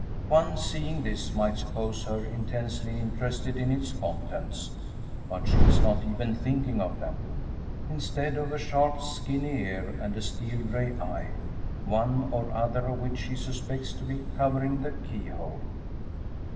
One seeing this might suppose her intensely interested in its contents. But she is not even thinking of them! Instead, of a sharp skinny ear, and a steel grey eye one or other of which she suspects to be covering the keyhole.